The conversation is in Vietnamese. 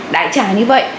đại trả như vậy